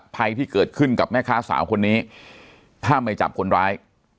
ภัยที่เกิดขึ้นกับแม่ค้าสาวคนนี้ถ้าไม่จับคนร้าย